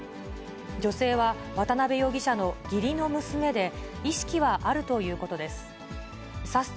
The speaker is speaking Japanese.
女性は渡辺容疑者の義理の娘で、意識はあるということです。